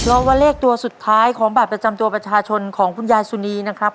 เพราะว่าเลขตัวสุดท้ายของบัตรประจำตัวประชาชนของคุณยายสุนีนะครับ